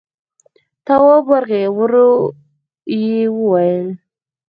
تواب ورغی، ورو يې وويل: